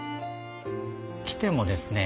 来てもですね